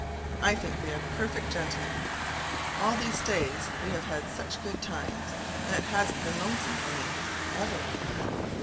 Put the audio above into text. I think they are perfect gentlemen. All these days we have had such good times, and it hasn't been lonesome for me, ever.